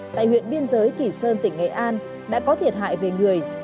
tại huyện biên giới kỳ sơn tỉnh nghệ an đã có thiệt hại về người